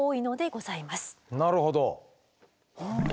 なるほど。